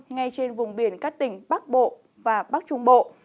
ngay trên vùng biển các tỉnh bắc bộ và bắc trung bộ